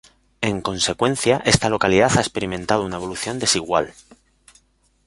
En consecuencia, esta localidad ha experimentado una evolución desigual.